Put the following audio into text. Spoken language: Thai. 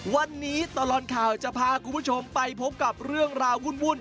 วันนี้ตลอดข่าวจะพาคุณผู้ชมไปพบกับเรื่องราววุ่น